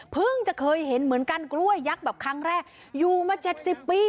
เพิ่งจะเคยเห็นเหมือนกันกล้วยยักษ์แบบครั้งแรกอยู่มาเจ็ดสิบปี